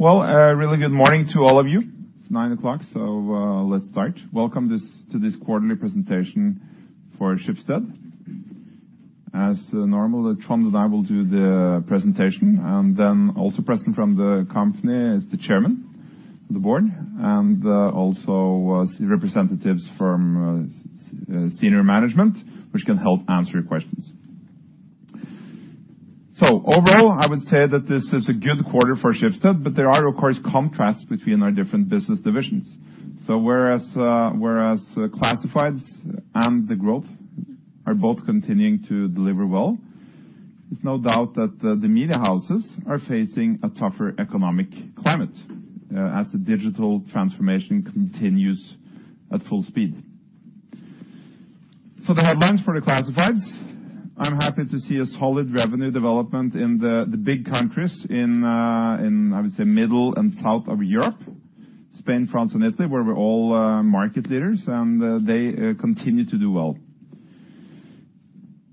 Well, a really good morning to all of you. It's 9:00 A.M., let's start. Welcome to this quarterly presentation for Schibsted. As normal, Trond and I will do the presentation, also presenting from the company is the chairman of the board, and also representatives from senior management, which can help answer your questions. Overall, I would say that this is a good quarter for Schibsted, there are, of course, contrasts between our different business divisions. Whereas classifieds and the growth are both continuing to deliver well, there's no doubt that the media houses are facing a tougher economic climate as the digital transformation continues at full speed. For the headlines for the classifieds, I'm happy to see a solid revenue development in the big countries in, I would say, middle and south of Europe, Spain, France, and Italy, where we're all market leaders, and they continue to do well.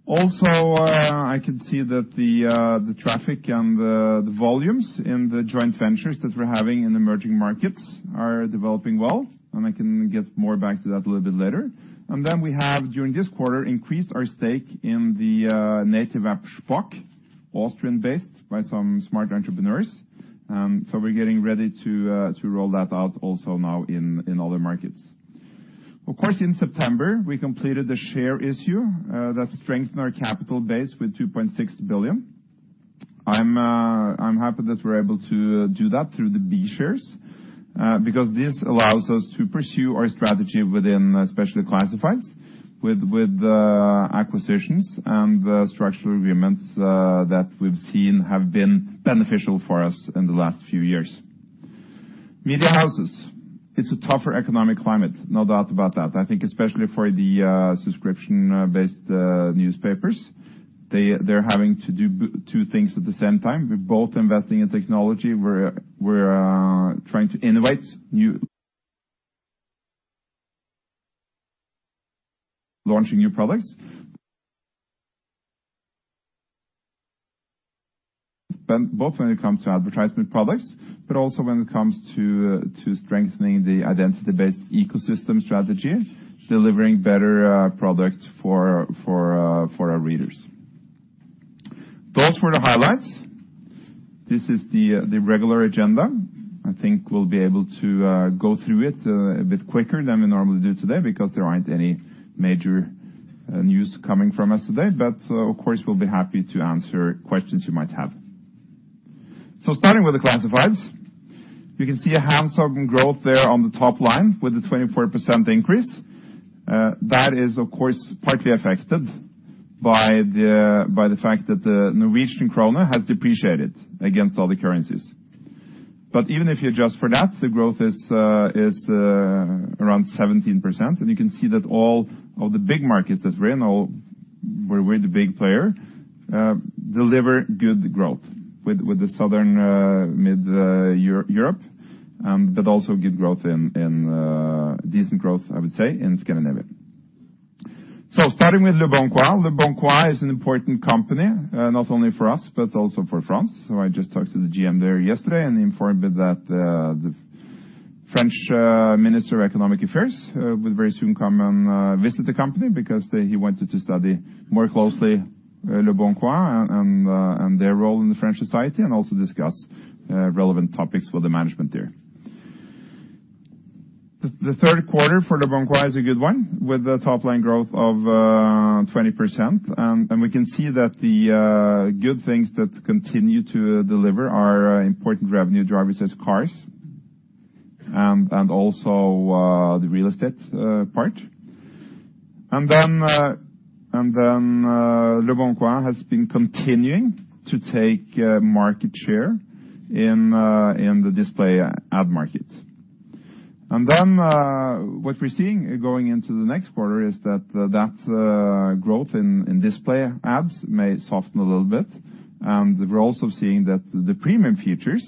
I can see that the traffic and the volumes in the joint ventures that we're having in emerging markets are developing well, and I can get more back to that a little bit later. We have, during this quarter, increased our stake in the native app Shpock, Austrian-based by some smart entrepreneurs. We're getting ready to roll that out also now in other markets. Of course, in September, we completed the share issue that strengthened our capital base with 2.6 billion. I'm happy that we're able to do that through the B shares because this allows us to pursue our strategy within, especially classifieds, with acquisitions and the structural agreements that we've seen have been beneficial for us in the last few years. Media houses, it's a tougher economic climate, no doubt about that. I think especially for the subscription-based newspapers. They're having to do two things at the same time. We're both investing in technology. We're trying to innovate new. Launching new products. Both when it comes to advertisement products, but also when it comes to strengthening the identity-based ecosystem strategy, delivering better products for our readers. Those were the highlights. This is the regular agenda. I think we'll be able to go through it a bit quicker than we normally do today because there aren't any major news coming from us today. Of course, we'll be happy to answer questions you might have. Starting with the classifieds, you can see a handsome growth there on the top line with a 24% increase. That is, of course, partly affected by the fact that the Norwegian krone has depreciated against other currencies. Even if you adjust for that, the growth is around 17%, and you can see that all of the big markets that we're in, all where we're the big player, deliver good growth with the Southern Mid-Europe, but also good growth in decent growth, I would say, in Scandinavia. Starting with leboncoin is an important company, not only for us, but also for France. I just talked to the GM there yesterday. He informed that the French Minister of Economic Affairs will very soon come and visit the company because he wanted to study more closely leboncoin and their role in the French society and also discuss relevant topics for the management there. The third quarter for leboncoin is a good one, with a top line growth of 20%. We can see that the good things that continue to deliver are important revenue drivers as cars and also the real estate part. Then leboncoin has been continuing to take market share in the display ad market. What we're seeing going into the next quarter is that growth in display ads may soften a little bit. We're also seeing that the premium features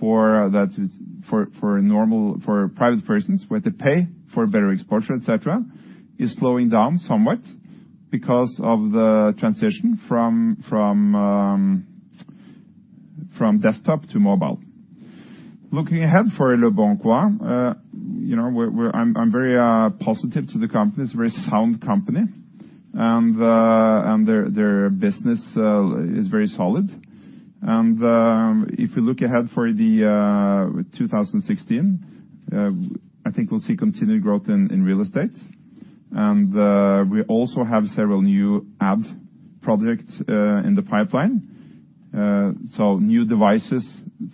for private persons, where they pay for better exposure, et cetera, is slowing down somewhat because of the transition from desktop to mobile. Looking ahead for leboncoin, you know, I'm very positive to the company. It's a very sound company, their business is very solid. If you look ahead for 2016, I think we'll see continued growth in real estate. We also have several new ad products in the pipeline. New devices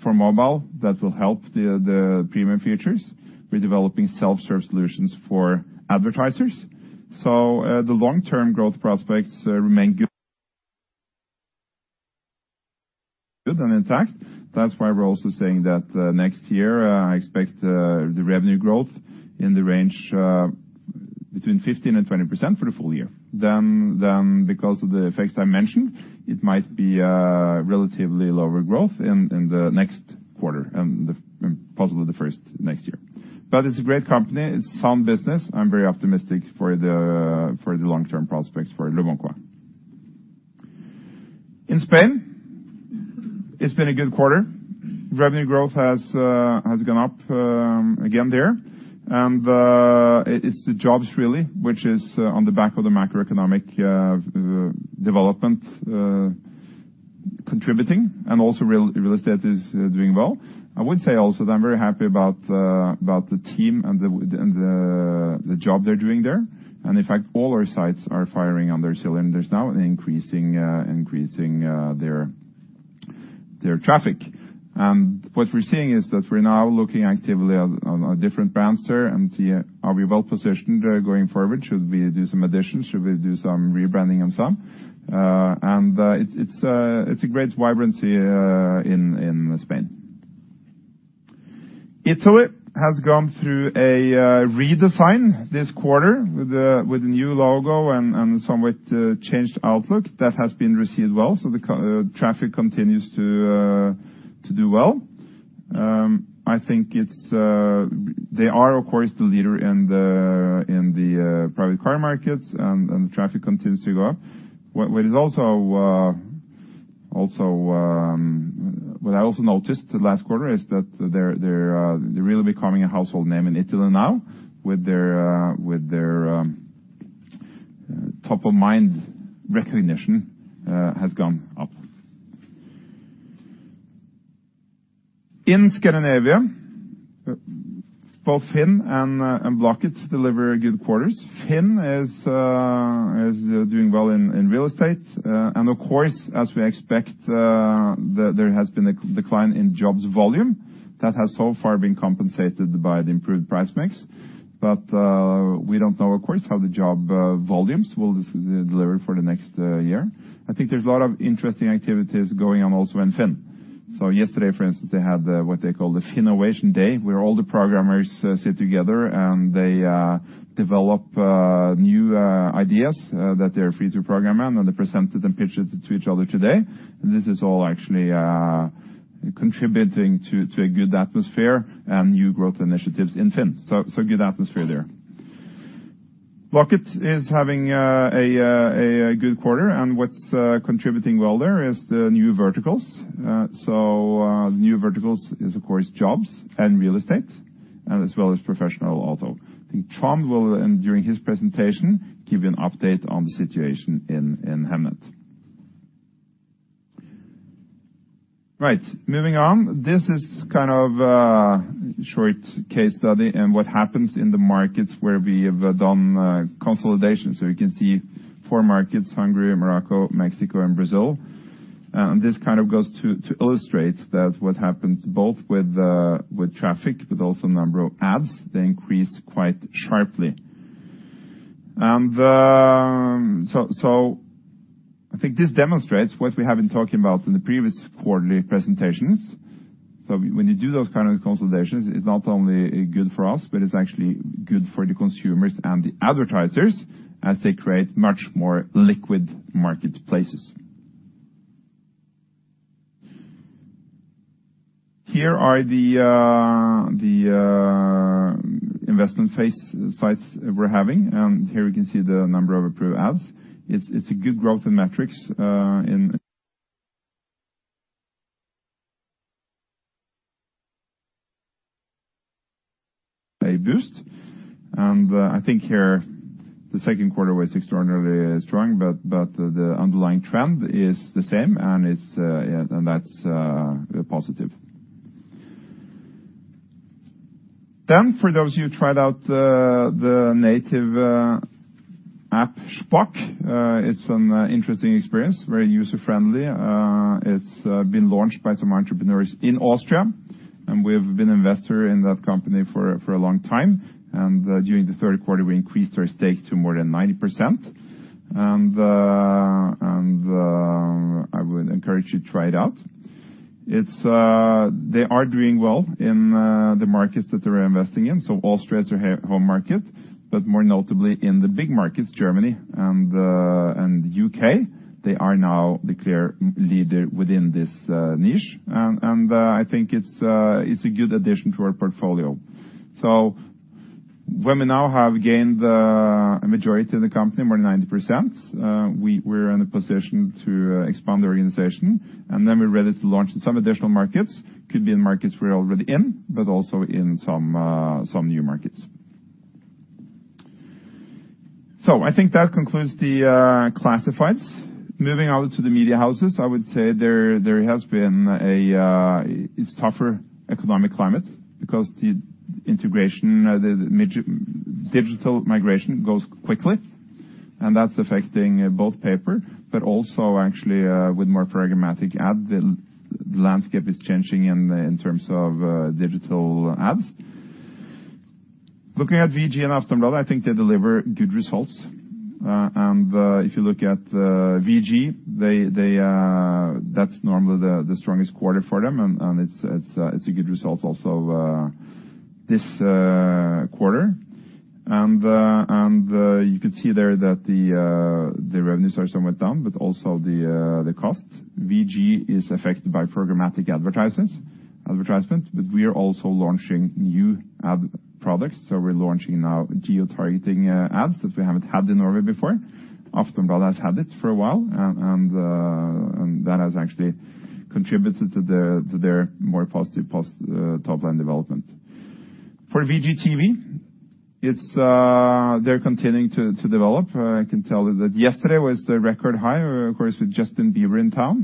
for mobile that will help the premium features. We're developing self-serve solutions for advertisers. The long-term growth prospects remain good and intact. That's why we're also saying that next year, I expect the revenue growth in the range between 15% and 20% for the full year. Because of the effects I mentioned, it might be relatively lower growth in the next quarter and possibly the first next year. It's a great company, it's sound business. I'm very optimistic for the long-term prospects for leboncoin. In Spain, it's been a good quarter. Revenue growth has gone up again there. It's the jobs really, which is on the back of the macroeconomic development contributing. Also real estate is doing well. I would say also that I'm very happy about the team and the job they're doing there. In fact, all our sites are firing on their cylinders now and increasing their traffic. What we're seeing is that we're now looking actively on different brands there and see are we well-positioned going forward, should we do some additions, should we do some rebranding on some? It's a great vibrancy in Spain. Italy has gone through a redesign this quarter with a new logo and somewhat changed outlook. That has been received well. The traffic continues to do well. I think it's. They are, of course, the leader in the private car markets and the traffic continues to go up. What is also what I also noticed last quarter is that they're really becoming a household name in Italy now with their top-of-mind awareness has gone up. In Scandinavia, both FINN and Blocket deliver good quarters. FINN is doing well in real estate. Of course, as we expect, there has been a decline in jobs volume that has so far been compensated by the improved price mix. We don't know, of course, how the job volumes will de-deliver for the next year. I think there's a lot of interesting activities going on also in FINN. Yesterday, for instance, they had what they call the FINNovation Day, where all the programmers sit together and they develop new ideas that they are free to program, and then they presented and pitched it to each other today. This is all actually contributing to a good atmosphere and new growth initiatives in FINN. So good atmosphere there. Blocket is having a good quarter, and what's contributing well there is the new verticals. New verticals is, of course, jobs and real estate, and as well as professional also. I think Tom will during his presentation, give you an update on the situation in Hemnet. Right. Moving on. This is kind of short case study and what happens in the markets where we have done consolidation. You can see four markets, Hungary, Morocco, Mexico and Brazil. This kind of goes to illustrate that what happens both with traffic, but also number of ads, they increase quite sharply. I think this demonstrates what we have been talking about in the previous quarterly presentations. When you do those kind of consolidations, it's not only good for us, but it's actually good for the consumers and the advertisers as they create much more liquid marketplaces. Here are the investment sites we're having. Here you can see the number of approved ads. It's a good growth in metrics. A boost. I think here the second quarter was extraordinarily strong, but the underlying trend is the same, and it's, yeah, and that's positive. For those of you who tried out the native, app Shpock, it's an interesting experience, very user-friendly. It's been launched by some entrepreneurs in Austria, and we've been investor in that company for a long time. During the third quarter, we increased our stake to more than 90%. I would encourage you to try it out. It's... They are doing well in the markets that they're investing in, so Austria is their home market, but more notably in the big markets, Germany and U.K., they are now the clear leader within this niche. I think it's a good addition to our portfolio. When we now have gained a majority of the company, more than 90%, we're in a position to expand the organization, and then we're ready to launch in some additional markets. Could be in markets we're already in, but also in some new markets. I think that concludes the classifieds. Moving on to the media houses, I would say there has been a tougher economic climate because the integration, the digital migration goes quickly, and that's affecting both paper, but also actually with more programmatic ad, the landscape is changing in terms of digital ads. Looking at VG and Aftonbladet, I think they deliver good results. If you look at VG, they that's normally the strongest quarter for them. It's a good result also this quarter. You could see there that the revenues are somewhat down, but also the costs. VG is affected by programmatic advertisement, but we are also launching new ad products. We're launching now geo-targeting ads that we haven't had in Norway before. Aftonbladet has had it for a while and that has actually contributed to their more positive top line development. For VGTV, it's they're continuing to develop. I can tell you that yesterday was the record high, of course, with Justin Bieber in town.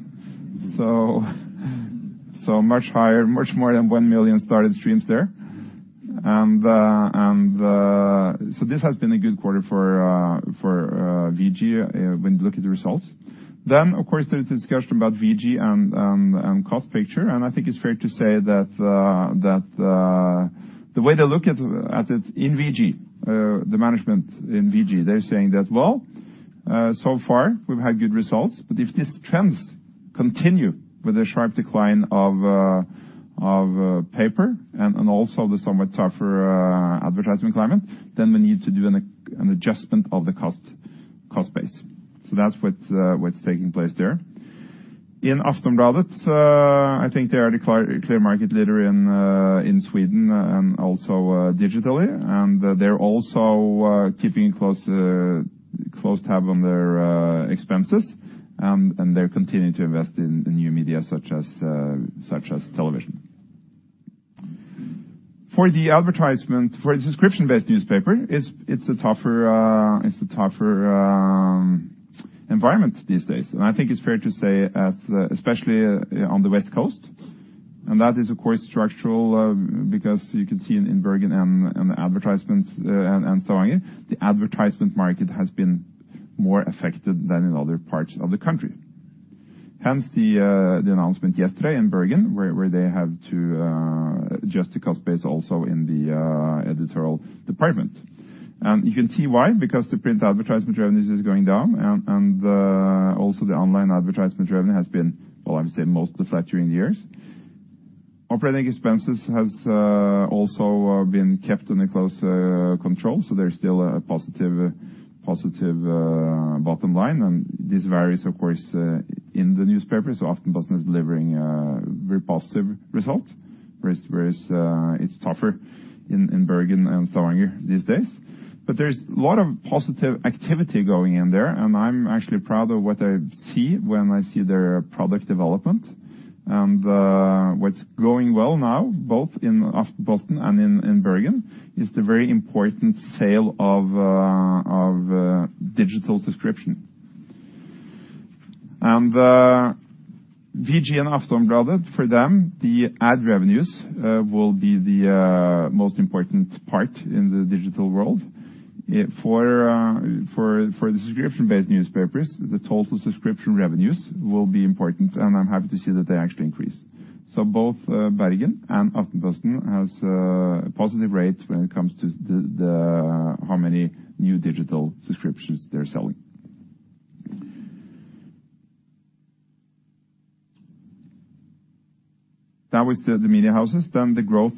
Much higher, much more than 1 million started streams there. This has been a good quarter for VG when you look at the results. Of course, there is discussion about VG and cost picture, and I think it's fair to say that the way they look at it in VG, the management in VG, they're saying that, "Well, so far we've had good results. If these trends continue with a sharp decline of paper and also the somewhat tougher advertisement climate, then we need to do an adjustment of the cost base." That's what's taking place there. In Aftonbladet, I think they are the clear market leader in Sweden and also digitally. They're also keeping close tab on their expenses, and they're continuing to invest in new media such as television. For the advertisement, for the subscription-based newspaper, it's a tougher environment these days. I think it's fair to say at the, especially on the West Coast, and that is of course structural, because you could see in Bergen and Stavanger, the advertisement market has been more affected than in other parts of the country. Hence the announcement yesterday in Bergen, where they have to adjust the cost base also in the editorial department. You can see why, because the print advertisement revenues is going down, also the online advertisement revenue has been, well, I would say mostly flat during the years. Operating expenses has also been kept under close control, there's still a positive bottom line, and this varies of course in the newspaper. Aftenposten is delivering very positive result, whereas it's tougher in Bergen and Stavanger these days. There's a lot of positive activity going in there, and I'm actually proud of what I see when I see their product development. What's going well now, both in Aftenposten and in Bergen, is the very important sale of digital subscription. VG and Aftonbladet, for them, the ad revenues will be the most important part in the digital world. For the subscription-based newspapers, the total subscription revenues will be important, and I'm happy to see that they actually increase. Both Bergen and Aftenposten has a positive rate when it comes to the how many new digital subscriptions they're selling. That was the media houses. The growth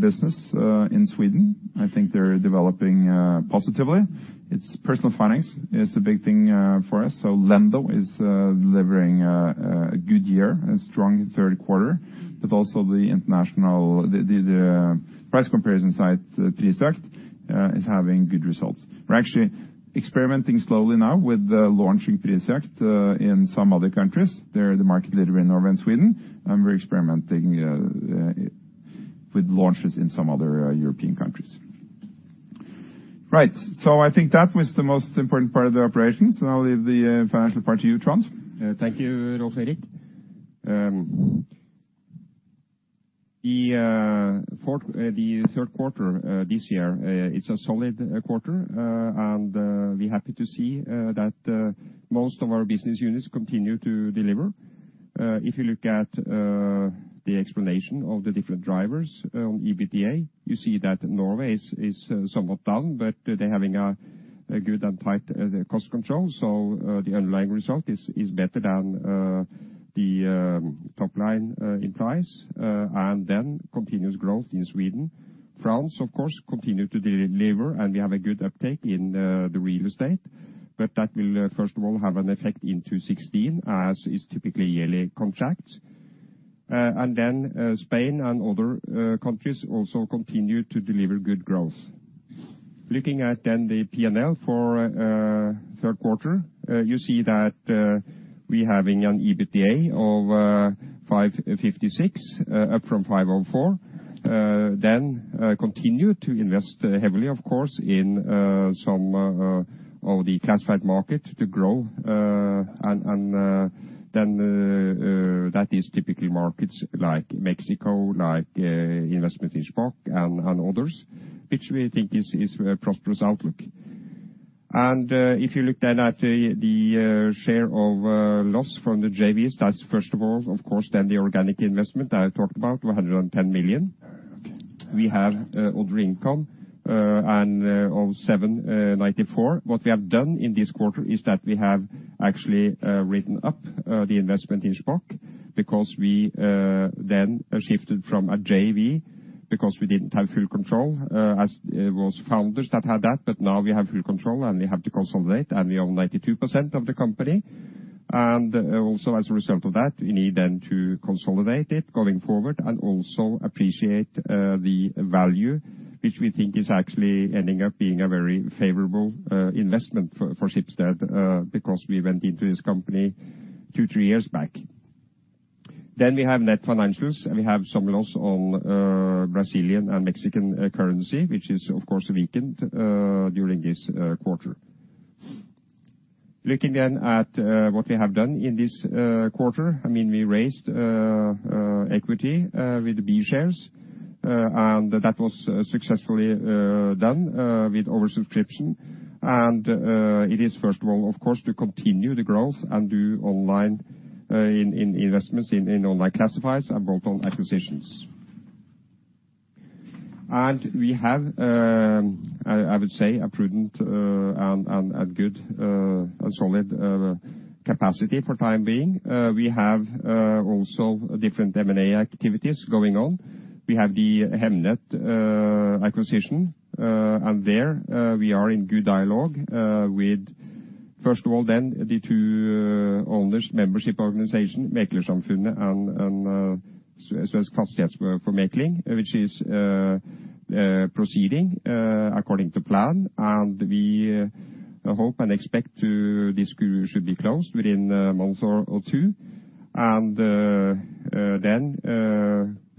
business in Sweden, I think they're developing positively. It's personal finance is a big thing for us. Lendo is delivering a good year, a strong third quarter. Also the international price comparison site, Prisjakt, is having good results. We're actually experimenting slowly now with launching Prisjakt in some other countries. They're the market leader in Norway and Sweden, and we're experimenting with launches in some other European countries. Right. I think that was the most important part of the operations, and I'll leave the financial part to you, Trond. Yeah, thank you, Rolv Erik. The third quarter this year, it's a solid quarter. We're happy to see that most of our business units continue to deliver. If you look at the explanation of the different drivers on EBITDA, you see that Norway is somewhat down, but they're having a good and tight cost control. The underlying result is better than the top line implies. Continuous growth in Sweden. France, of course, continue to deliver, and we have a good uptake in the real estate. That will first of all, have an effect in 2016, as is typically yearly contracts. Spain and other countries also continue to deliver good growth. Looking at the P&L for third quarter, you see that we having an EBITDA of 556, up from 504. Continue to invest heavily, of course, in some of the classified market to grow. That is typically markets like Mexico, like investment in Shpock and others, which we think is a prosperous outlook. If you look then at the share of loss from the JVs, that's first of all, of course, then the organic investment I talked about, of 110 million. We have other income, and of 794. What we have done in this quarter is that we have actually written up the investment in Shpock. We then shifted from a JV because we didn't have full control as it was founders that had that, but now we have full control, and we have to consolidate, and we own 92% of the company. As a result of that, we need then to consolidate it going forward and also appreciate the value which we think is actually ending up being a very favorable investment for Schibsted because we went into this company two, three years back. We have net financials, and we have some loss on Brazilian and Mexican currency, which is of course weakened during this quarter. Looking then at what we have done in this quarter, I mean, we raised equity with B shares, and that was successfully done with oversubscription. It is, first of all, of course, to continue the growth and do online investments in online classifieds and bolt-on acquisitions. We have, I would say, a prudent and good and solid capacity for time being. We have also different M&A activities going on. We have the Hemnet acquisition, and there we are in good dialogue with first of all then the two owners membership organization, Mäklarsamfundet and Svensk Fastighetsförmedling, which is proceeding according to plan. We hope and expect this should be closed within a month or two.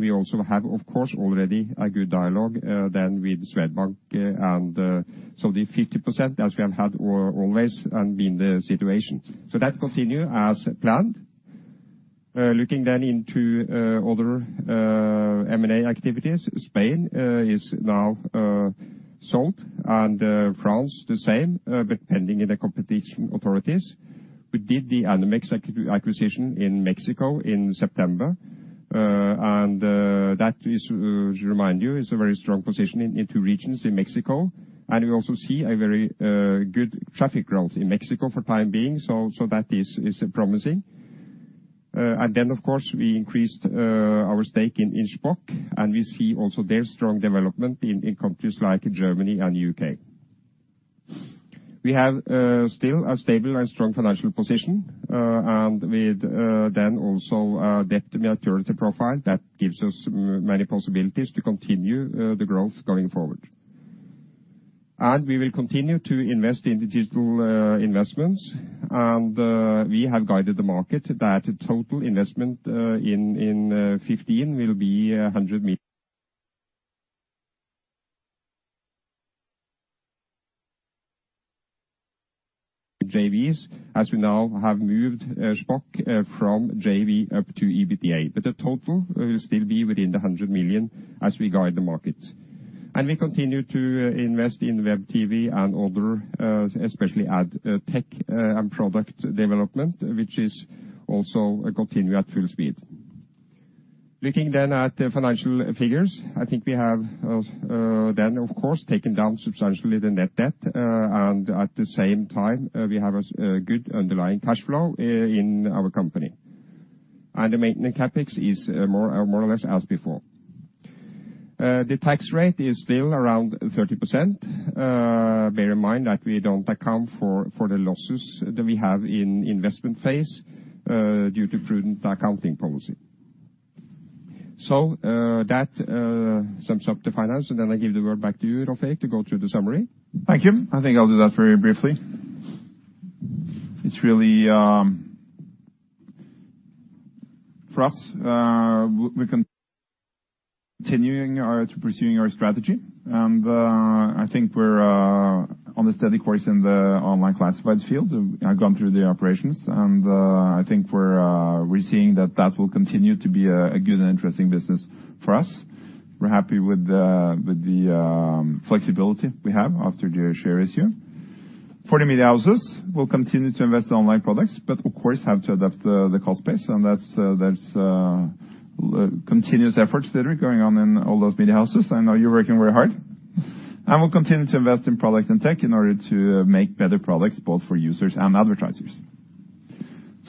We also have, of course, already a good dialogue with Swedbank, the 50% as we have had or always and been the situation. That continue as planned. Looking into other M&A activities, Spain is now sold, France the same, but pending in the competition authorities. We did the Anumex acquisition in Mexico in September. That is, to remind you, is a very strong position in two regions in Mexico. We also see a very good traffic growth in Mexico for time being, so that is promising. Of course, we increased our stake in Shpock, and we see also their strong development in countries like Germany and U.K. We have still a stable and strong financial position, and with then also our debt maturity profile, that gives us many possibilities to continue the growth going forward. We will continue to invest in digital investments, and we have guided the market that total investment in 2015 will be 100 JVs as we now have moved Shpock from JV up to EBITA. The total will still be within the 100 million as we guide the market. We continue to invest in web TV and other especially ad tech and product development, which is also continue at full speed. Looking then at the financial figures, I think we have, then of course, taken down substantially the net debt, and at the same time, we have a good underlying cash flow in our company. The maintenance CapEx is more or less as before. The tax rate is still around 30%. Bear in mind that we don't account for the losses that we have in investment phase, due to prudent accounting policy. That sums up the finance, I give the word back to you, Rolv Erik, to go through the summary. Thank you. I think I'll do that very briefly. It's really... For us, we're continuing our, to pursuing our strategy. I think we're on a steady course in the online classifieds field. I've gone through the operations, and I think we're seeing that will continue to be a good and interesting business for us. We're happy with the flexibility we have after the share issue. For the media houses, we'll continue to invest in online products, but of course have to adapt the cost base, and that's continuous efforts that are going on in all those media houses. I know you're working very hard. We'll continue to invest in product and tech in order to make better products both for users and advertisers.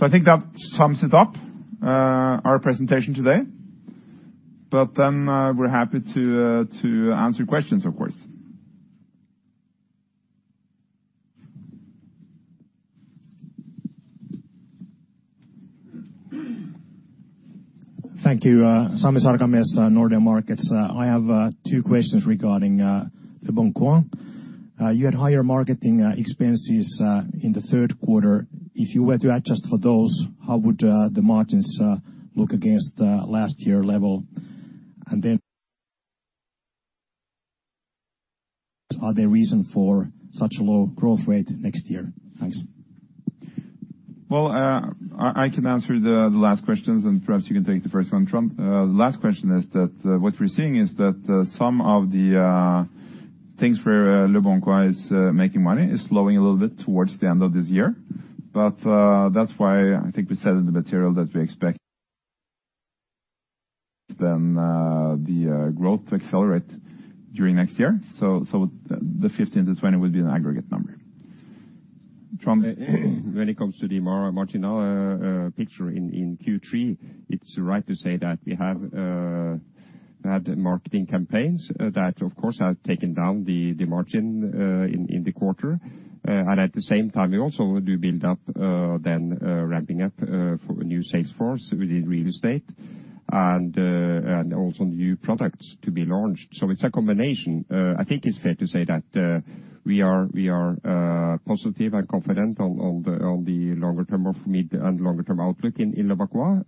I think that sums it up, our presentation today. We're happy to answer your questions, of course. Thank you. Sami Sarkamies, Nordea Markets. I have two questions regarding leboncoin. You had higher marketing expenses in the third quarter. If you were to adjust for those, how would the margins look against last year level? Are there reason for such a low growth rate next year? Thanks. Well, I can answer the last questions, and perhaps you can take the first one, Trond. The last question is that what we're seeing is that some of the things where leboncoin is making money is slowing a little bit towards the end of this year. That's why I think we said in the material that we expect the growth to accelerate during next year. The 15%-20% will be an aggregate number. When it comes to the marginal picture in Q3, it's right to say that we have had marketing campaigns that, of course, have taken down the margin in the quarter. At the same time, we also do build up then ramping up for new sales force within real estate and also new products to be launched. It's a combination. I think it's fair to say that we are positive and confident on the longer term of mid and longer term outlook in leboncoin.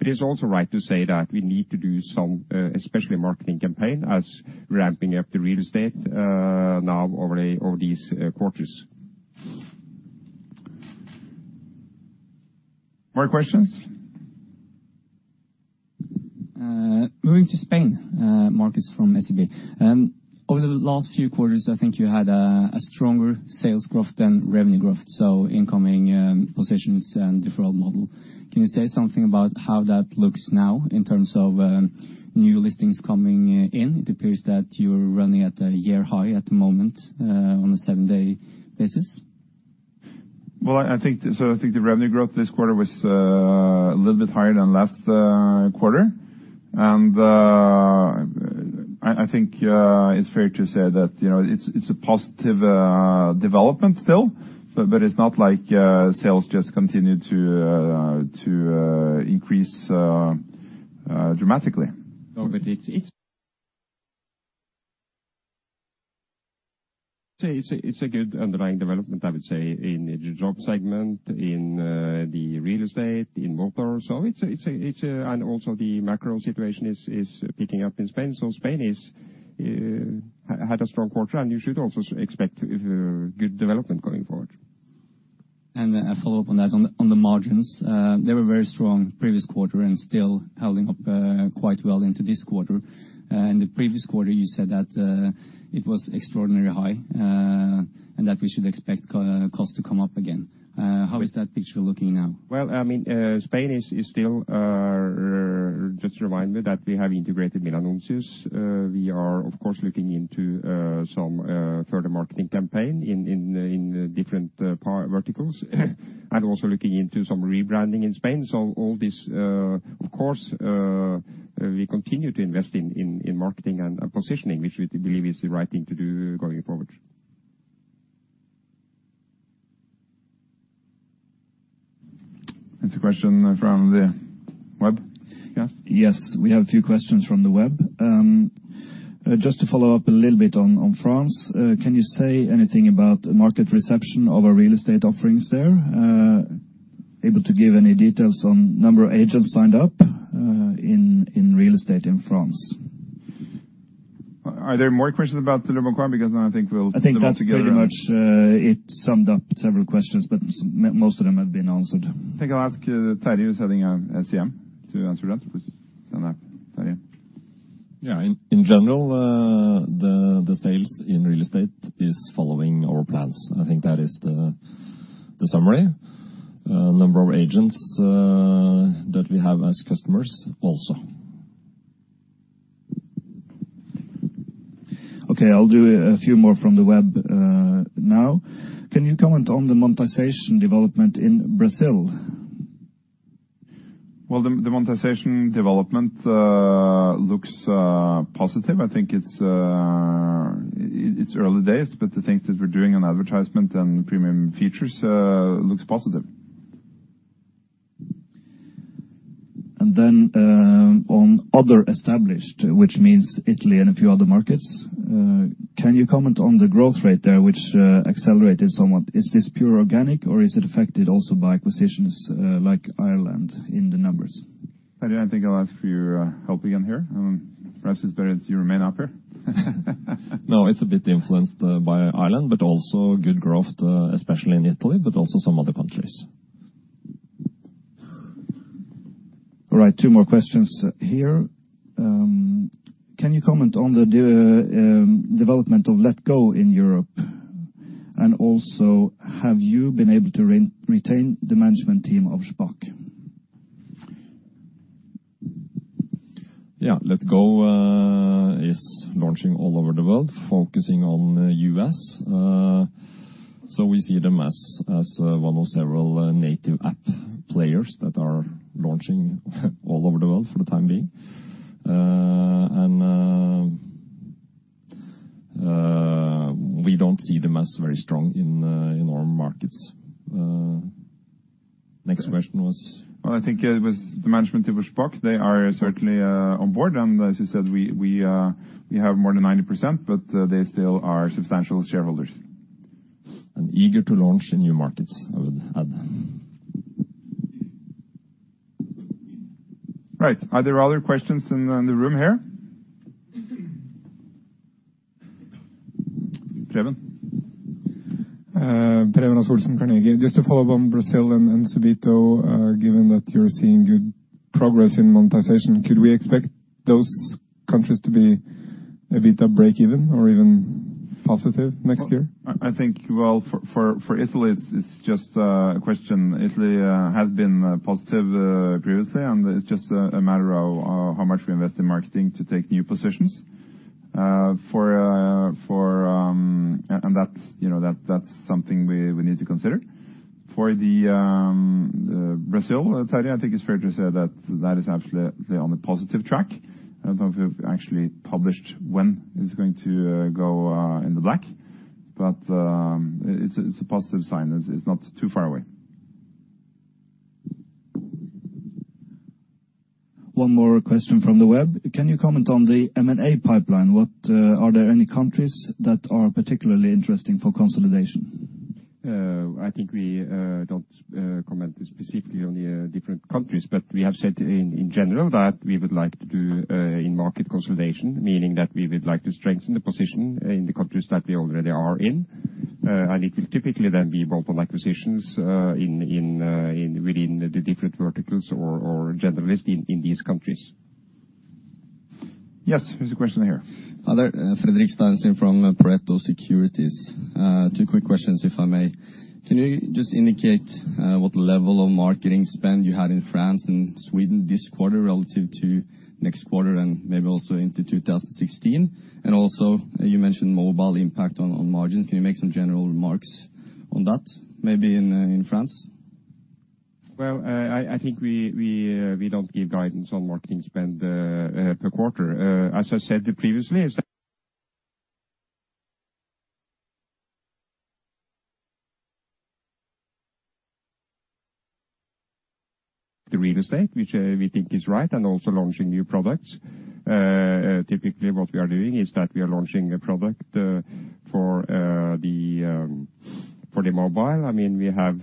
It's also right to say that we need to do some especially marketing campaign as ramping up the real estate now over these quarters. More questions? Moving to Spain, Markus from SCB. Over the last few quarters, I think you had a stronger sales growth than revenue growth, so incoming positions and deferral model. Can you say something about how that looks now in terms of new listings coming in? It appears that you're running at a year high at the moment, on a seven-day basis. I think the revenue growth this quarter was a little bit higher than last quarter. I think it's fair to say that, you know, it's a positive development still, but it's not like sales just continue to increase dramatically. No, it's. Say it's a good underlying development, I would say, in the job segment, in the real estate, in motor. The macro situation is picking up in Spain. Spain is had a strong quarter, and you should also expect good development going forward. A follow-up on that. On the margins, they were very strong previous quarter and still holding up quite well into this quarter. In the previous quarter, you said that it was extraordinarily high, and that we should expect costs to come up again. How is that picture looking now? Well, I mean, Spain is still just to remind you that we have integrated Milanuncios. We are of course looking into some further marketing campaign in different verticals. Also looking into some rebranding in Spain. All this, of course, we continue to invest in marketing and positioning, which we believe is the right thing to do going forward. It's a question from the web. Yes? Yes. We have a few questions from the web. just to follow up a little bit on France. can you say anything about market reception of our real estate offerings there? able to give any details on number of agents signed up, in real estate in France? Are there more questions about leboncoin? I think we'll put them all together. I think that's pretty much, it summed up several questions, but most of them have been answered. I think I'll ask Terje who's heading up SCM, to answer that. Please stand up, Terje. Yeah. In general, the sales in real estate is following our plans. I think that is the summary. Number of agents that we have as customers also. I'll do a few more from the web now. Can you comment on the monetization development in Brazil? Well, the monetization development looks positive. I think it's early days, but the things that we're doing on advertisement and premium features looks positive. Then, on other established, which means Italy and a few other markets, can you comment on the growth rate there, which accelerated somewhat? Is this pure organic, or is it affected also by acquisitions, like Ireland in the numbers? Terry, I think I'll ask for your help again here. Perhaps it's better if you remain up here. No, it's a bit influenced, by Ireland, but also good growth, especially in Italy, but also some other countries. All right, two more questions here. Can you comment on the development of letgo in Europe? Also, have you been able to retain the management team of Shpock? Yeah. Letgo is launching all over the world, focusing on the U.S. We see them as one of several native app players that are launching all over the world for the time being. We don't see them as very strong in our markets. Next question was? Well, I think it was the management team of Shpock. They are certainly on board. As you said, we have more than 90%, they still are substantial shareholders. Eager to launch in new markets, I would add. Right. Are there other questions in the room here? Preben. Preben Rasch-Olsen from Carnegie. Just to follow up on Brazil and Subito, given that you're seeing good progress in monetization, could we expect those countries? EBITDA breakeven or even positive next year? I think, well, for Italy, it's just a question. Italy has been positive previously. It's just a matter of how much we invest in marketing to take new positions. That's, you know, that's something we need to consider. For the Brazil territory, I think it's fair to say that that is absolutely on the positive track. I don't know if we've actually published when it's going to go in the black. It's a positive sign. It's not too far away. One more question from the web. Can you comment on the M&A pipeline? Are there any countries that are particularly interesting for consolidation? I think we don't comment specifically on the different countries. We have said in general that we would like to do in-market consolidation, meaning that we would like to strengthen the position in the countries that we already are in. It will typically then be bolt-on acquisitions in within the different verticals or generalists in these countries. Yes. There's a question here. Hi there. Fredrik Steinslien from Pareto Securities. Two quick questions if I may. Can you just indicate what level of marketing spend you had in France and Sweden this quarter relative to next quarter and maybe also into 2016? Also you mentioned mobile impact on margins. Can you make some general remarks on that maybe in France? Well, I think we don't give guidance on marketing spend per quarter. As I said previously, it's the real estate which, we think is right and also launching new products. Typically what we are doing is that we are launching a product for the mobile. I mean, we have,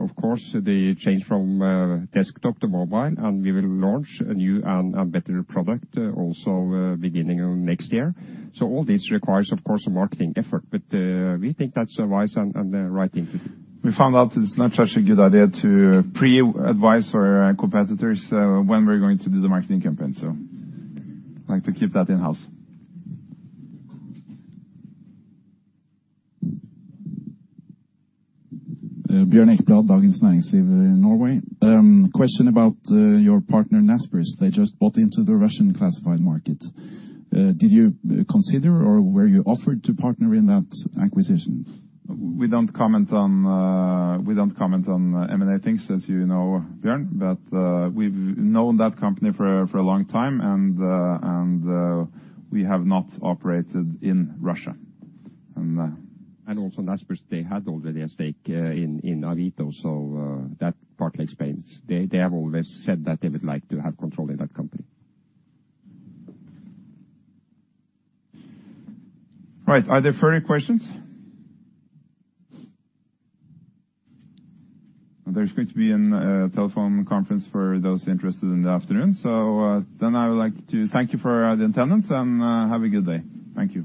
of course the change from desktop to mobile, and we will launch a new and better product also beginning of next year. All this requires, of course, a marketing effort. We think that's a wise and right thing to do. We found out it's not such a good idea to pre-advise our competitors, when we're going to do the marketing campaign, so like to keep that in-house. Bjørn Eckblad, Dagens Næringsliv, Norway. Question about your partner Naspers. They just bought into the Russian classified market. Did you consider or were you offered to partner in that acquisition? We don't comment on M&A things as you know, Bjørn. We've known that company for a long time, we have not operated in Russia. Also Naspers, they had already a stake in Avito, so that partly explains. They have always said that they would like to have control in that company. Right. Are there further questions? There's going to be an telephone conference for those interested in the afternoon. Then I would like to thank you for the attendance and have a good day. Thank you.